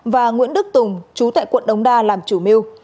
và nguyễn đức tùng chú tại quận đống đa làm chủ mưu